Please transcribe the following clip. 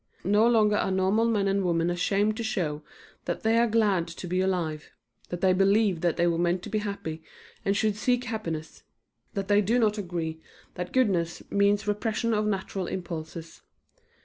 No longer are normal men and women ashamed to show that they are glad to be alive; that they believe that they were meant to be happy and should seek happiness; that they do not agree that goodness means repression of natural impulses.